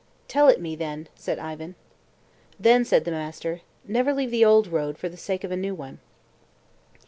"Tell it me, then," said Ivan. Then said the master, "Never leave the old road for the sake of a new one."